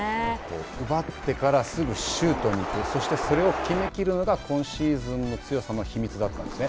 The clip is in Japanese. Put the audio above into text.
奪ってからすぐシュートに行ってそして、それを決め切るのが今シーズンの強さの秘密だったんですね。